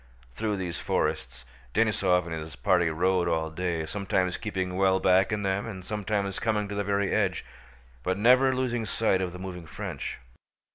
Through these forests Denísov and his party rode all day, sometimes keeping well back in them and sometimes coming to the very edge, but never losing sight of the moving French.